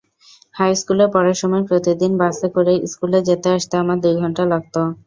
হাইস্কুলে পড়ার সময় প্রতিদিন বাসে করে স্কুলে যেতে-আসতে আমার দুই ঘণ্টা লাগত।